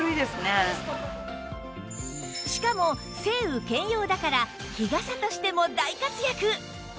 しかも晴雨兼用だから日傘としても大活躍